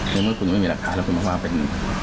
ในเมื่อคุณไม่มีหลักฐานแล้วคุณบอกว่าเป็น